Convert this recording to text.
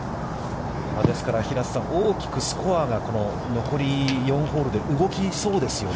ですから、平瀬さん、大きくスコアが残り４ホールで動きそうですよね。